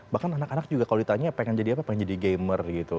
bahkan anak anak juga kalau ditanya pengen jadi apa pengen jadi gamer gitu